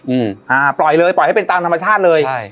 อืมอ่าปล่อยเลยปล่อยให้เป็นตามธรรมชาติเลยใช่